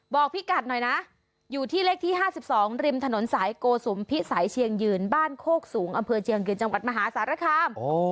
บอกพี่กัดหน่อยนะอยู่ที่เลขที่๕๒ริมถนนสายโกสุมพิสัยเชียงยืนบ้านโคกสูงอำเภอเชียงยืนจังหวัดมหาสารคาม